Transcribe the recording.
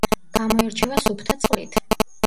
გამოირჩევა სუფთა წყლით.